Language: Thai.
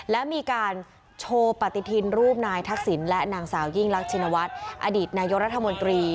และมีการโชว์ปฏิทินรูปนายทักษิณและนางสาวยิ่งรักชินวัฒน์อดีตนายกรัฐมนตรี